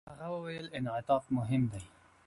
هغه وویل، انعطاف مهم دی.